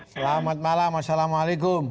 selamat malam assalamualaikum